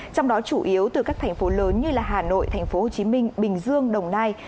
trong đó chủ yếu từ các thành phố lớn như hà nội tp hcm bình dương đồng nai